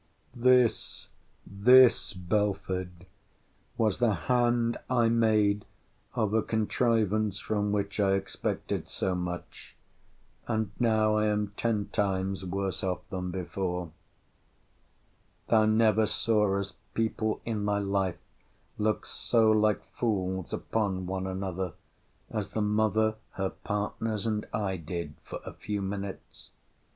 This, this, Belford, was the hand I made of a contrivance from which I expected so much!—And now I am ten times worse off than before. Thou never sawest people in thy life look so like fools upon one another, as the mother, her partners, and I, did, for a few minutes.